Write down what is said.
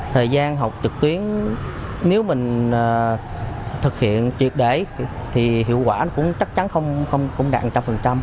thời gian học trực tuyến nếu mình thực hiện triệt để thì hiệu quả cũng chắc chắn không đạt một trăm linh